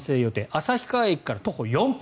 旭川駅から徒歩４分。